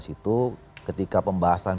itu ketika pembahasan